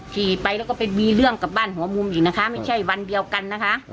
ขี่ไปแล้วก็ไปมีเรื่องกับบ้านหัวมุมอีกนะคะไม่ใช่วันเดียวกันนะคะ